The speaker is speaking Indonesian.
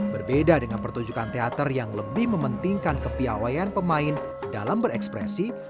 berbeda dengan pertunjukan teater yang lebih mementingkan kepiawaian pemain dalam berekspresi